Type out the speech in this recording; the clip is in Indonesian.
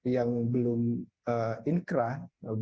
yang belum inkrah